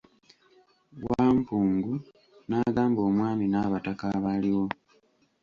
Wampungu n'agamba omwami n'abataka abaaliwo .